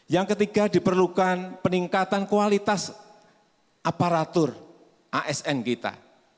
yang ketiga diperlukan peningkatan kualitas aparatur asn kita